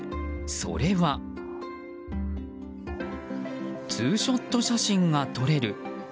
それはツーショット写真が撮れる。